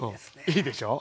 いいでしょう。